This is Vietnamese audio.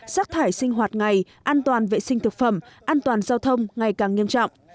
rác thải sinh hoạt ngày an toàn vệ sinh thực phẩm an toàn giao thông ngày càng nghiêm trọng